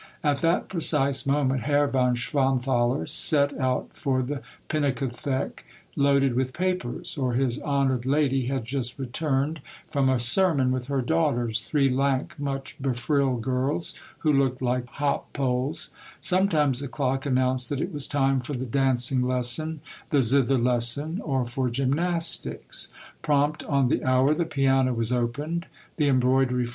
At that precise moment Herr von Schwanthaler set out for the Pinakothek, loaded with papers, or his honored lady had just returned from a sermon with her daughters, three lank, much befrilled girls, who looked Hke hop poles ; sometimes the clock an nounced that it was time for the dancing lesson, the zither lesson, or for gymnastics ; prompt on the hour, the piano was opened, the embroidery f.